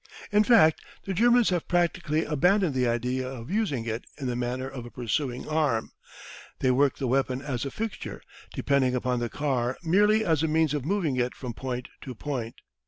In fact, the Germans have practically abandoned the idea of using it in the manner of a pursuing arm; they work the weapon as a fixture, depending upon the car merely as a means of moving it from point to point.